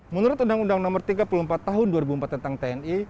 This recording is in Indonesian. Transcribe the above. menurut undang undang no tiga puluh empat tahun dua ribu empat tentang tni